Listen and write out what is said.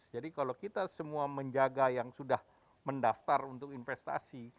jadi kalau kita semua menjaga yang sudah mendaftar untuk investasi